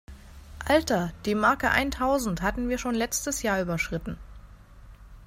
Alter, die Marke eintausend hatten wir schon letztes Jahr überschritten!